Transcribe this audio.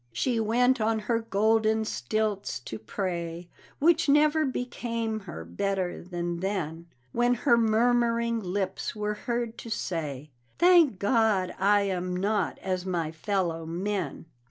She went on her golden stilts to pray, Which never became her better than then, When her murmuring lips were heard to say, "Thank God, I am not as my fellow men!"